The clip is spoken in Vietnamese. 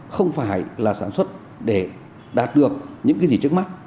không phải là sản xuất để đạt được những cái gì trước mắt